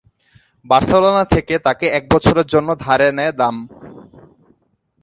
Barcelona থেকে তাকে এক বছরের জন্য ধারে নেয় দাম।